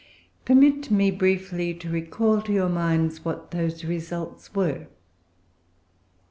Permit me briefly to recall to your minds what those results were: 1.